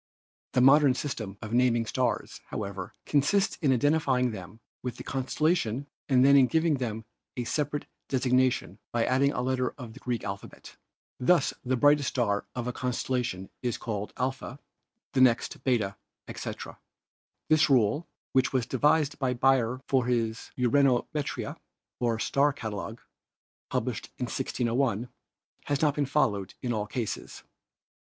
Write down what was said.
The modern system of naming stars, however, consists in identifying them with the constellation and then in giving them a separate desig nation by adding a letter of the Greek alphabet. Thus the brightest star of a constellation is called Alpha, the An Exquisite Coloured Double Star Fig, 40 —The Great Square of Pegasus. next Beta, etc. This rule, which was devised by Beyer for his Uranometria, or star catalogue, published in 1601, has not been followed in all cases.